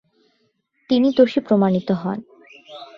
তিনি দোষী প্রমাণিত হন।